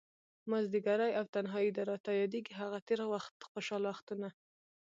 مازديګری او تنهائي ده، راته ياديږي هغه تير خوشحال وختونه